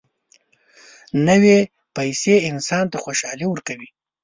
نوې پیسې انسان ته خوشالي ورکوي